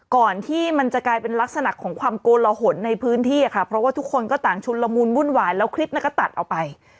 ก่อนที่มันจะกลายเป็นลักษณะของความโกลหนในพื้นที่ค่ะเพราะว่าทุกคนก็ต่างชุนละมุนวุ่นวายแล้วคลิปนั้นก็ตัดออกไป